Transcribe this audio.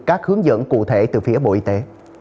các hướng dẫn cụ thể từ phía bộ y tế